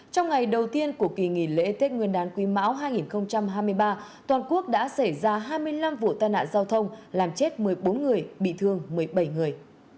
trong ngày đầu tiên của kỳ nghỉ lễ tết nguyên đán quý mão hai nghìn hai mươi ba toàn quốc đã xảy ra hai mươi năm vụ tai nạn giao thông làm chết một mươi bốn người bị thương một mươi bảy người